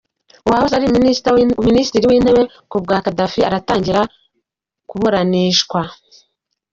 Uwahoze ari Minisitri w’Intebe ku bwa kadafi aratangira kuburanishwa